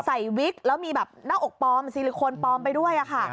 ใส่วิกแล้วมีแบบนอกอกปลอมซีลิโคนปลอมไปด้วยอ่ะค่ะ